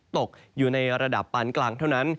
ตกอยู่ในระดับปานกลางเท่านั้น